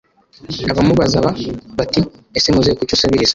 Abamubazaba bati ese muzehe kuki usabiriza